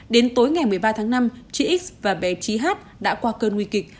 đến tối ngày một mươi ba tháng năm chị x và bé trí hát đã qua cơn nguy kịch